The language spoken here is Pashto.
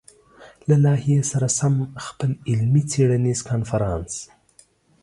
له لايحې سره سم خپل علمي-څېړنيز کنفرانس